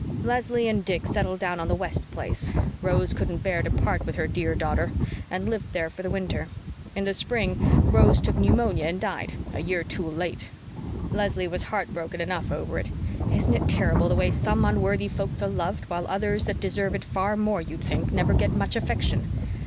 "Leslie and Dick settled down on the West place Rose couldn't bear to part with her dear daughter! and lived there for the winter. In the spring Rose took pneumonia and died a year too late! Leslie was heart broken enough over it. Isn't it terrible the way some unworthy folks are loved, while others that deserve it far more, you'd think, never get much affection?